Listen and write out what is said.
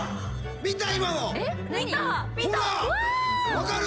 分かる？